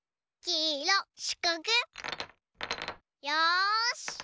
よし！